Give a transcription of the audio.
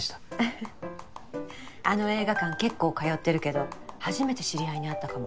フッあの映画館結構通ってるけど初めて知り合いに会ったかも。